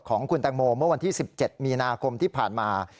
ของคุณแตงโมเมื่อวันที่๑๗มีนาคมที่ผ่านมา